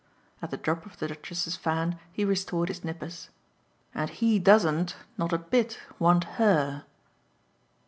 At the drop of the Duchess's fan he restored his nippers. "And he doesn't not a bit want HER!"